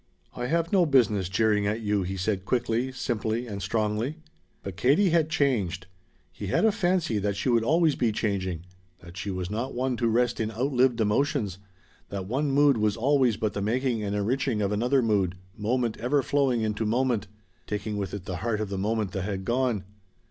"I have no business jeering at you," he said quickly, simply and strongly. But Katie had changed. He had a fancy that she would always be changing; that she was not one to rest in outlived emotions, that one mood was always but the making and enriching of another mood, moment ever flowing into moment, taking with it the heart of the moment that had gone.